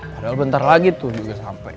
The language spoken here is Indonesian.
padahal bentar lagi tuh juga sampai